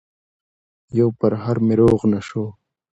يو پرهر مې روغ نه شو